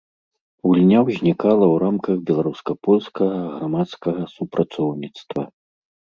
Гульня ўзнікла ў рамках беларуска-польскага грамадскага супрацоўніцтва.